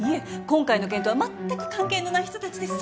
今回の件とはまったく関係のない人たちです。